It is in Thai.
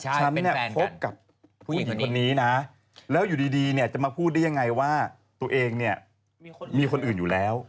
ฉันพบกับผู้หญิงคนนี้แล้วอยู่ดีจะมาพูดได้ยังไงว่าตัวเองมีคนอื่นอยู่แล้ว